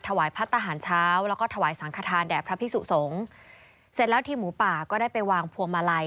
พัฒนาหารเช้าแล้วก็ถวายสังขทานแด่พระพิสุสงฆ์เสร็จแล้วทีมหมูป่าก็ได้ไปวางพวงมาลัย